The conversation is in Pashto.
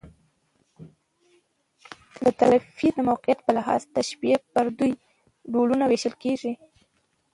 د طرفَینو د موقعیت په لحاظ، تشبیه پر دوه ډولونو وېشل کېږي.